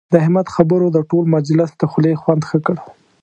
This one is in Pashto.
د احمد خبرو د ټول مجلس د خولې خوند ښه کړ.